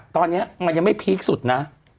ตอนนี้มันยังไม่พีคสุดนะ